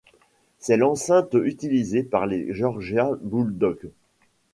C'est l'enceinte utilisée par les Georgia Bulldogs.